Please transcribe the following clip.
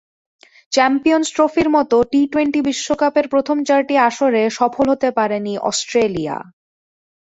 Champions ট্রফির মতো T twenty বিশ্বকাপের প্রথম চারটি আসরে সফল হতে পারেনি অস্ট্রেলিয়া।